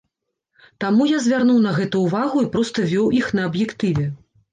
Таму я звярнуў на гэта ўвагу і проста вёў іх на аб'ектыве.